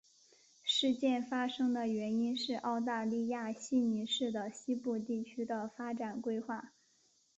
事件发生的原因是澳大利亚悉尼市的西部地区的发展规划。